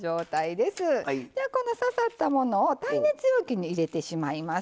ではこの刺さったものを耐熱容器に入れてしまいます。